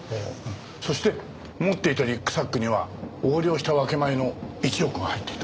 そして持っていたリュックサックには横領した分け前の１億が入っていた。